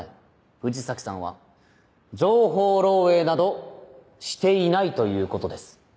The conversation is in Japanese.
藤崎さんは情報漏洩などしていないということです。